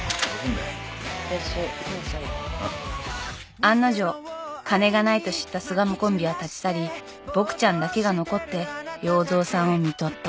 案の定金がないと知った巣鴨コンビは立ち去りボクちゃんだけが残って要造さんをみとった。